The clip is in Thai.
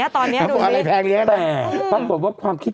ต่างประเทศใช่ไง